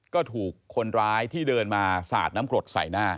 ก็ถูกคนร้ายที่เดินมาสาดน้ำกรดใส่หน้า